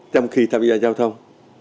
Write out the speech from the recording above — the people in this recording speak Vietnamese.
trong khi tham gia giao thông